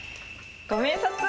ご明察！